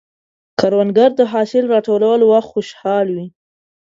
کروندګر د حاصل راټولولو وخت خوشحال دی